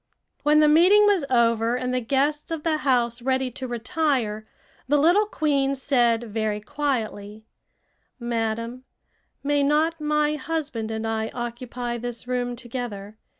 When the meeting was over and the guests of the house ready to retire, the little queen said very quietly: "Madam, may not my husband and I occupy this room together?